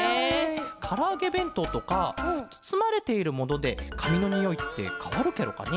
からあげべんとうとかつつまれているものでかみのにおいってかわるケロかね？